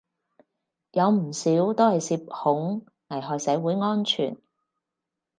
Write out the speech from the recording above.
有唔少都係涉恐，危害社會安全